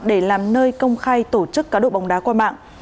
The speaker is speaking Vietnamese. để làm nơi công khai tổ chức cá độ bóng đá qua mạng